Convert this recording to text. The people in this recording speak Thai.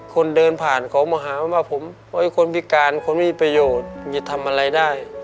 คนเดินผ่านเขามาหาว่าผมคนพิการคนไม่มีประโยชน์จะทำอะไรได้